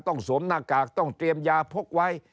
สวมหน้ากากต้องเตรียมยาพกไว้